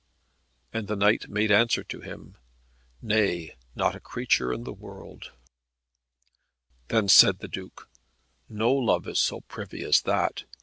And the knight made answer to him, "Nay, not a creature in the world." Then said the Duke, "No love is so privy as that.